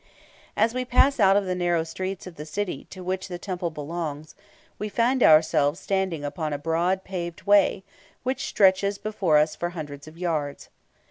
As we pass out of the narrow streets of the city to which the temple belongs, we find ourselves standing upon a broad paved way, which stretches before us for hundreds of yards.